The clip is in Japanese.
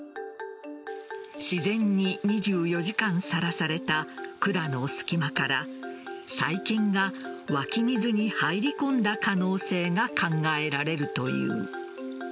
自然に２４時間さらされた管の隙間から細菌が湧き水に入り込んだ可能性が考えられるという。